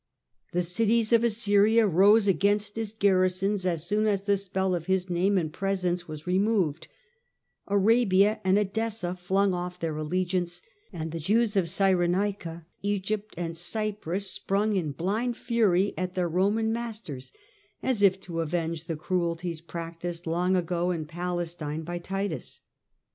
The cities of Assyria rose against his garrisons as soon as the spell of his name and presence was removed ; Arabia and Edessa flung off their allegiance ; and the Jews of Cyrenaica, Eg>pt, and Cyprus sprung in blind fury at their Roman masters, as if to avenge the cruelties practised long ago in Palestine by Titus.